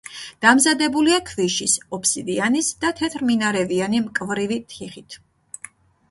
დამზადებულია ქვიშის, ოფსიდიანის და თეთრმინარევიანი მკვრივი თიხით.